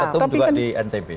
ketum juga di ntb